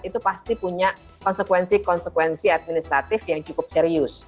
itu pasti punya konsekuensi konsekuensi administratif yang cukup serius